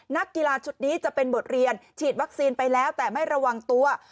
นักกีฬาชุดนี้จะเป็นบทเรียนฉีดวัคซีนไปแล้วแต่ไม่ระวังตัว